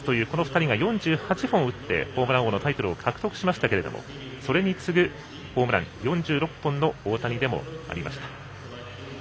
この２人が４８本打ってホームラン王のタイトルを獲得しましたけれどもそれに次ぐ、ホームラン４６本の大谷でもありました。